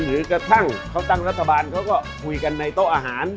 หรือกระทั่งเขาตั้งรัฐบาลเขาก็คุยกันในโต๊ะอาหาร